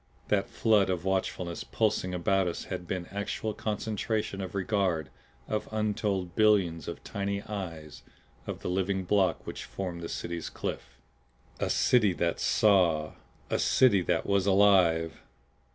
That flood of watchfulness pulsing about us had been actual concentration of regard of untold billions of tiny eyes of the living block which formed the City's cliff. A City that Saw! A City that was Alive!